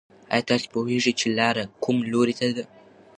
ایا تاسې پوهېږئ چې لاره کوم لوري ته ده؟